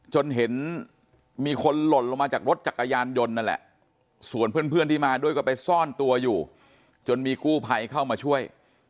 จนเห็นมีคนหล่นลงมาจากรถจักรยานยนต์นั่นแหละส่วนเพื่อนที่มาด้วยก็ไปซ่อนตัวอยู่จนมีกู้ภัยเข้ามาช่วย